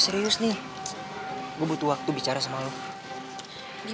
kalo lu pikir segampang itu buat ngindarin gue lu salah din